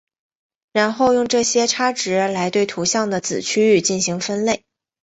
然后用这些差值来对图像的子区域进行分类。